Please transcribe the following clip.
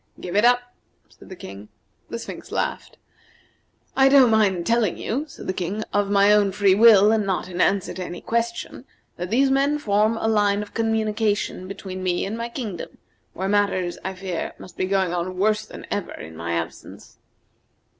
"Give it up," said the King. The Sphinx laughed. "I don't mind telling you," said the King, "of my own free will, and not in answer to any question, that these men form a line of communication between me and my kingdom, where matters, I fear, must be going on worse than ever, in my absence."